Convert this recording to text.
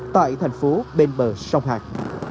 tại thành phố bên bờ sông hàn